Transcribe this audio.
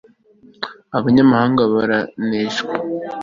abanyamahanga baraneshwa